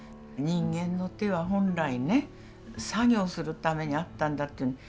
人間の手は本来ね作業するためにあったんだっていう。